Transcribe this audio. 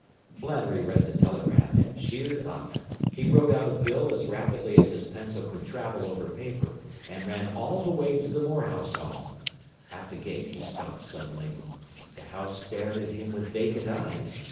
” Flannery read the telegram and cheered up. He wrote out a bill as rapidly as his pencil could travel over paper and ran all the way to the Morehouse home. At the gate he stopped suddenly. The house stared at him with vacant eyes.